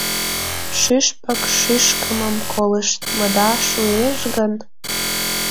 Шӱшпык шӱшкымым колыштмыда шуэш гын